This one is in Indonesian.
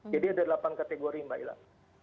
jadi ada delapan kategori mbak hilah